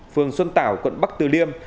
phường xuân tảo quận bắc từ liêm